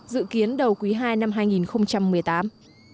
dự kiến đầu quý ii năm hai nghìn một mươi tám